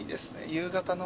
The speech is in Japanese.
夕方の。